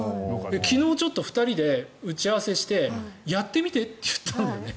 昨日、２人で打ち合わせしてやってみてって言ったんだよね。